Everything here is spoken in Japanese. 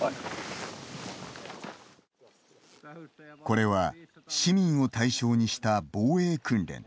これは市民を対象にした防衛訓練。